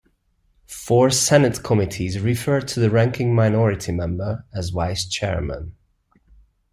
Four Senate committees refer to the ranking minority member as Vice Chairman.